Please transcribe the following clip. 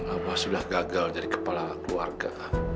apa sudah gagal jadi kepala keluarga